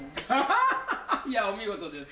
いやお見事です